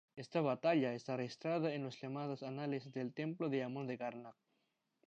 Esta batalla está registrada en los llamados "Anales" del templo de Amon de Karnak.